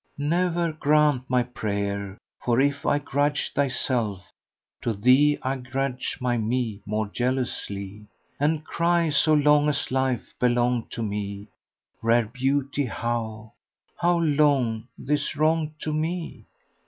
Ne'er grant my prayer! For if I grudge thyself * To thee, I grudge my me more jealously; And cry so long as life belong to me, * Rare beauty how, how long this wrong to me?"